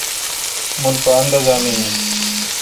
مُل پا اندازا می این۔